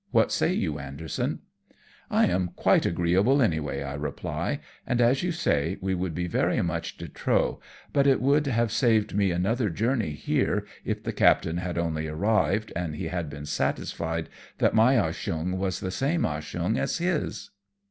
What say you, Anderson ?"" I am quite agreeable anyway," I reply, " and, as you say, we would be very much de trop, but it would have saved me another journey here if the captain had only arrived, and he had been satisfied that my Ah Cheong was the same Ah Cheong as his."